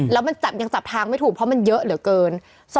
แล้วมันยังจับทางไม่ถูกเพราะมันเยอะเหลือเกิน